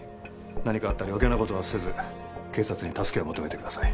何かあったら余計な事はせず警察に助けを求めてください。